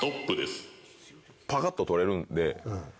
パカっと取れるんで。